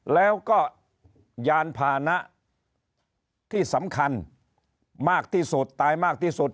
แล้วก็ยานพานะที่สำคัญมากที่สุดตายมากที่สุด